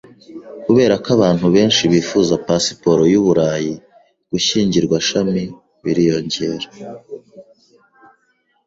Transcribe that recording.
Kuberako abantu benshi bifuza pasiporo yu Burayi, gushyingirwa sham biriyongera.